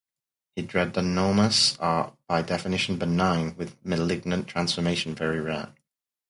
Hidradenomas are by definition benign, with malignant transformation very rare.